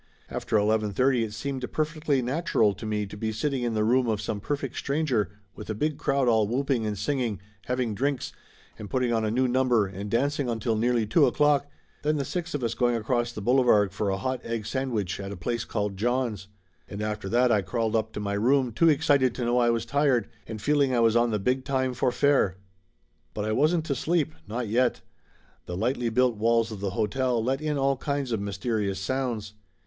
After 11.30 it seemed perfectly natural to me to be sitting in the room of some perfect stranger, with a big crowd all whooping and singing, having drinks, and putting on a new number and dancing until nearly two o'clock, then the six of us going across the boulevard for a hot egg sandwich at a place called John's. And after that I crawled up to my room too excited to know I was tired, and feeling I was on the big time for fair ! But I wasn't to sleep, not yet. The lightly built walls of the hotel let in all kinds of mysterious sounds.